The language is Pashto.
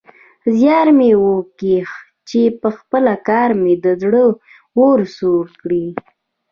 زيار مې وکيښ چې پخپل کار مې د زړه اور سوړ کړ.